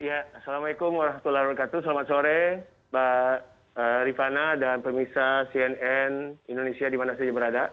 assalamualaikum warahmatullahi wabarakatuh selamat sore mbak rifana dan pemirsa cnn indonesia dimana saja berada